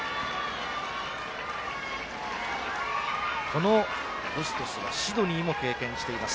このブストスはシドニーも経験しています。